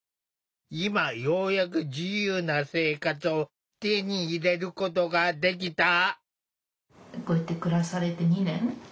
今ようやく自由な生活を手に入れることができた。